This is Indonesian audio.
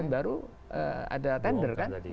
baru ada tender kan